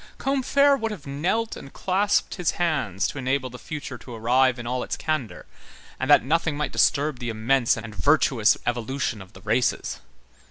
Combeferre would have knelt and clasped his hands to enable the future to arrive in all its candor, and that nothing might disturb the immense and virtuous evolution of the races.